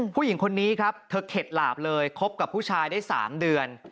ผู้หญิงคนนี้ครับเธอเข็ดหลาบเลยคบกับผู้ชายได้๓เดือน